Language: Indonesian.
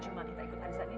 semuanya aku yang salah